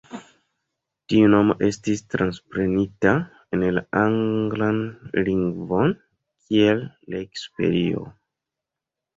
Tiu nomo estis transprenita en la anglan lingvon kiel "Lake Superior".